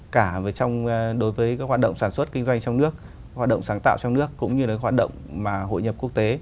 cả đối với các hoạt động sản xuất kinh doanh trong nước hoạt động sáng tạo trong nước cũng như là hoạt động mà hội nhập quốc tế